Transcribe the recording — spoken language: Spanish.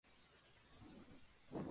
Francia no acató el pedido.